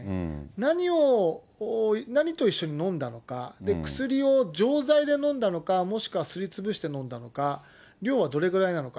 何を、何と一緒に飲んだのか、薬を錠剤で飲んだのか、もしくはすりつぶして飲んだのか、量はどれくらいなのか。